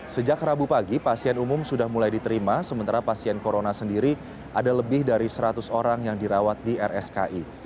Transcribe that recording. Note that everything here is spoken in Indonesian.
sejak rabu pagi pasien umum sudah mulai diterima sementara pasien corona sendiri ada lebih dari seratus orang yang dirawat di rski